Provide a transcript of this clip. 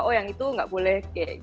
oh yang itu nggak boleh